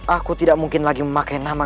aku tidak mungkin lagi memakai nama